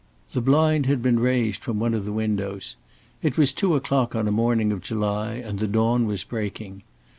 The blind had been raised from one of the windows. It was two o'clock on a morning of July and the dawn was breaking.